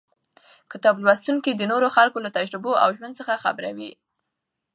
کتاب لوستونکی د نورو خلکو له تجربو او ژوند څخه خبروي.